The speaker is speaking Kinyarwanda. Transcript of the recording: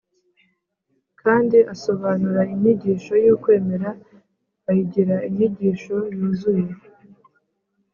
kandi asobanura inyigisho y’ukwemera ayigira inyigisho yuzuye